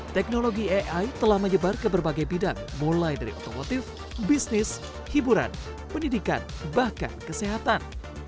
teknologi ai telah menyebar ke berbagai bidang mulai dari otomotif bisnis hiburan pendidikan bahkan kesehatan